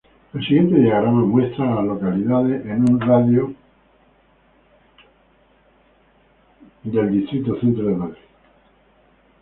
El siguiente diagrama muestra a las localidades en un radio de de Homeland Park.